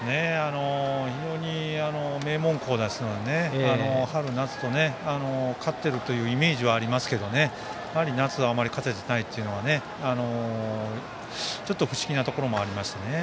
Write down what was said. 非常に名門校ですので春夏と、勝っているというイメージはありますが夏にあまり勝てていないのは不思議なところもあります。